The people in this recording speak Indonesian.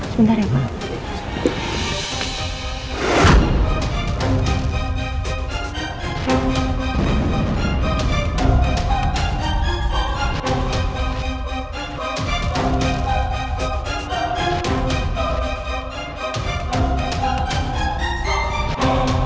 sebentar ya mbak